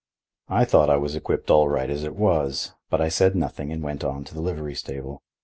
I thought I was equipped all right as it was, but I said nothing and went on to the livery stable.